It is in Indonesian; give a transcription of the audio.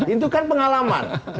itu kan pengalaman